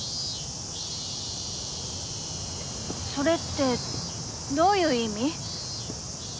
それってどういう意味？